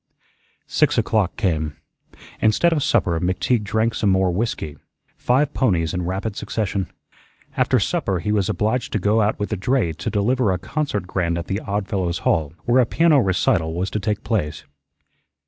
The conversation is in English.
Six o'clock came. Instead of supper, McTeague drank some more whiskey, five ponies in rapid succession. After supper he was obliged to go out with the dray to deliver a concert grand at the Odd Fellows' Hall, where a piano "recital" was to take place.